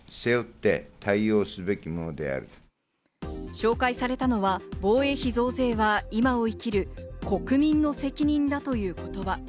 紹介されたのは防衛費増税は「今を生きる国民の責任だ」という言葉。